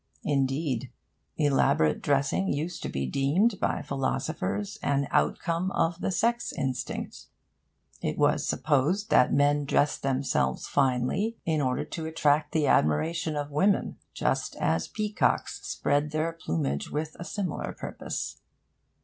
Indeed, elaborate dressing used to be deemed by philosophers an outcome of the sex instinct. It was supposed that men dressed themselves finely in order to attract the admiration of women, just as peacocks spread their plumage with a similar purpose.